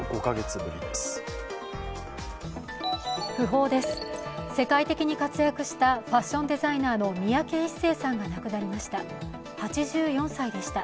訃報です、世界的に活躍したファッションデザイナー三宅一生さんが亡くなりました。